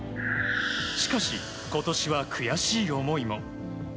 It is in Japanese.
しかし、今年は悔しい思いも。